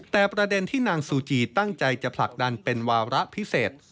แต่ประเด็นที่นางซูจีตั้งใจจะผลักดันเป็นวาระพิเศษ